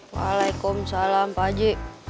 waalaikumsalam pak haji